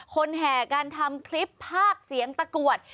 แห่กันทำคลิปภาคเสียงตะกรวด